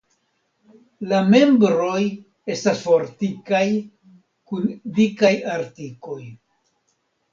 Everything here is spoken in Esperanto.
La membroj estas fortikaj kun dikaj artikoj.